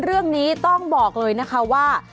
เรื่องนี้ต้องบอกเลยนะคะว่า